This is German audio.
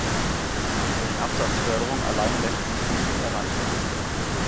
Durch Absatzförderung allein lässt sich nichts erreichen.